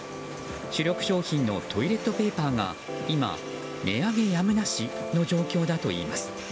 主力商品のトイレットペーパーが今、値上げやむなしの状況だといいます。